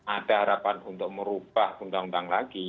ada harapan untuk merubah undang undang lagi